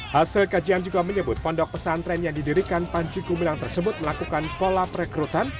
hasil kajian juga menyebut pondok pesantren yang didirikan panji gumilang tersebut melakukan pola perekrutan